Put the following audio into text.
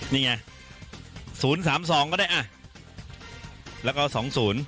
นี่ไง๐๓๒ก็ได้อ่ะแล้วก็๒๐